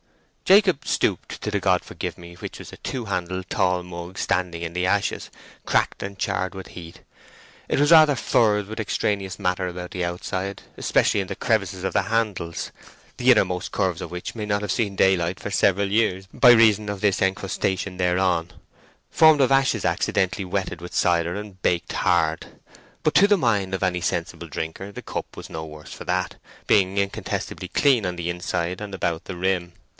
Jacob stooped to the God forgive me, which was a two handled tall mug standing in the ashes, cracked and charred with heat: it was rather furred with extraneous matter about the outside, especially in the crevices of the handles, the innermost curves of which may not have seen daylight for several years by reason of this encrustation thereon—formed of ashes accidentally wetted with cider and baked hard; but to the mind of any sensible drinker the cup was no worse for that, being incontestably clean on the inside and about the rim.